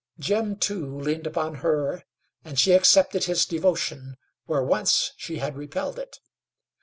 Jim, too, leaned upon her, and she accepted his devotion where once she had repelled it.